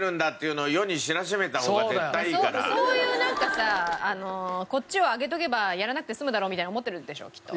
そういうなんかさこっちを上げとけばやらなくて済むだろうみたいに思ってるんでしょきっと。